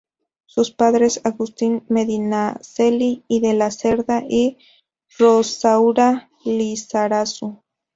Sus padres: Agustín Medinaceli y de la Zerda y Rosaura Lizarazu.